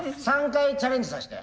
３回チャレンジさせて。